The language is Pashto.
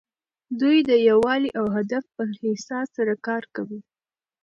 دوی د یووالي او هدف په احساس سره کار کوي.